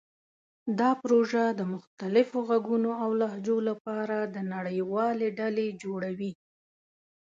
دا پروژه د مختلفو غږونو او لهجو لپاره د نړیوالې ډلې جوړوي.